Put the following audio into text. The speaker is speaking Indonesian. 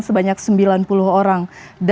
sebanyak sembilan puluh orang